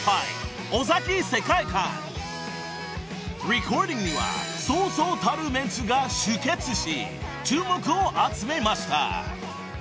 ［レコーディングにはそうそうたるメンツが集結し注目を集めました］